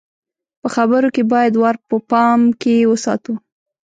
په خبرو کې بايد وار په پام کې وساتو.